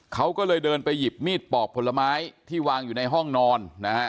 เขาก็เลยเดินไปหยิบมีดปอกผลไม้ที่วางอยู่ในห้องนอนนะฮะ